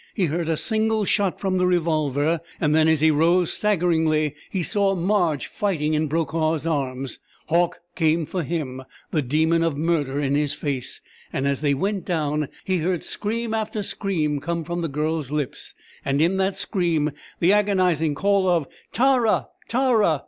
He heard a single shot from the revolver, and then, as he rose staggeringly, he saw Marge fighting in Brokaw's arms. Hauck came for him, the demon of murder in his face, and as they went down he heard scream after scream come from the Girl's lips, and in that scream the agonizing call of "_Tara! Tara!